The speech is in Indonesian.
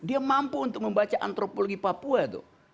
dia mampu untuk membaca antropologi papua tuh